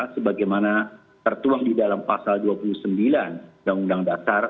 sebagaimana tertuang di dalam pasal dua puluh sembilan undang undang dasar